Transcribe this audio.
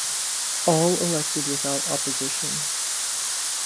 All elected without opposition.